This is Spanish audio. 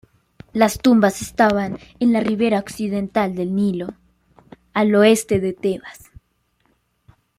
Las tumbas estaban en la ribera occidental del Nilo, al oeste de Tebas.